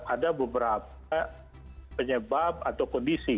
ada beberapa penyebab atau kondisi